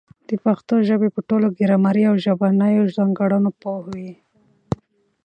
د پښتو ژبي په ټولو ګرامري او ژبنیو ځانګړنو پوه وي.